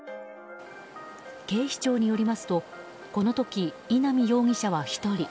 警視庁によりますとこの時、稲見容疑者は１人。